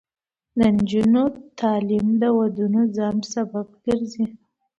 د نجونو تعلیم د ودونو ځنډ سبب ګرځي.